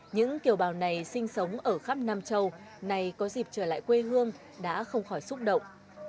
những kiều bào này sinh sống ở khắp nam châu này có dịp trở lại quê hương đã không khỏi xúc động